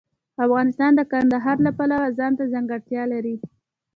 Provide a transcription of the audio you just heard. افغانستان د کندهار د پلوه ځانته ځانګړتیا لري.